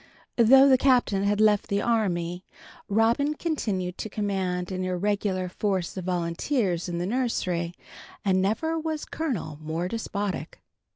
Though the Captain had left the army, Robin continued to command an irregular force of volunteers in the nursery, and never was colonel more despotic.